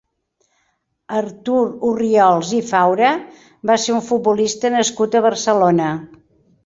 Artur Orriols i Faura va ser un futbolista nascut a Barcelona.